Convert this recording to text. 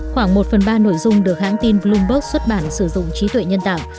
khoảng một phần ba nội dung được hãng tin bloomberg xuất bản sử dụng trí tuệ nhân tạo